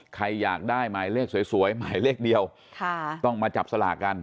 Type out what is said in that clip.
ใครอยากได้หมายเลขสวยหมายเลขเดียวต้องมาจับสลากกัน